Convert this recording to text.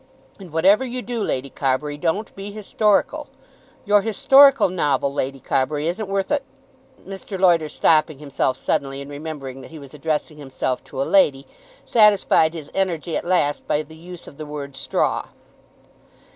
And whatever you do, Lady Carbury, don't be historical. Your historical novel, Lady Carbury, isn't worth a " Mr. Loiter stopping himself suddenly, and remembering that he was addressing himself to a lady, satisfied his energy at last by the use of the word "straw."